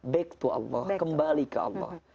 back to allah kembali ke allah